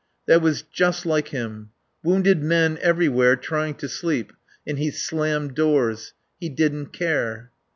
That was just like him. Wounded men everywhere, trying to sleep, and he slammed doors. He didn't care.